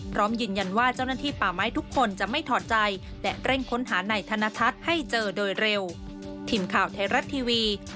พร้อมยืนยันว่าเจ้าหน้าที่ป่าไม้ทุกคนจะไม่ถอดใจและเร่งค้นหาในธนทัศน์ให้เจอโดยเร็ว